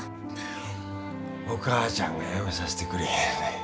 お母ちゃんがやめさせてくれへんねん。